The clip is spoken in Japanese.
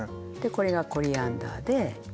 これがコリアンダーで。